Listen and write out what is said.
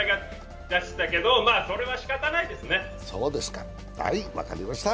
それはしかたないですね。